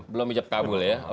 belum ijab kabul ya